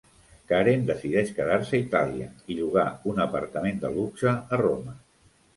Karen decideix quedar-se a Itàlia i llogar un apartament de luxe a Roma.